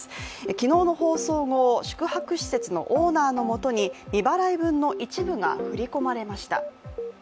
昨日の放送後、宿泊施設のオーナーのもとに未払い分の一部が振り込まれました。